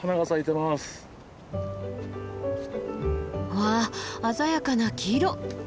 わあ鮮やかな黄色。